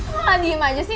emang lo lagi diam aja sih